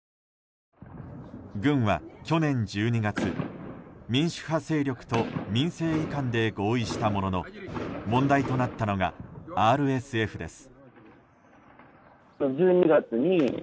軍は去年１２月民主派勢力と民政移管で合意したものの問題となったのがＲＳＦです。